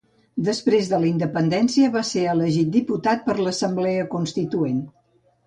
Després de la independència va ser elegit diputat per a l'Assemblea Constituent.